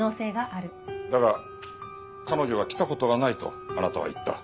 だが彼女は来た事がないとあなたは言った。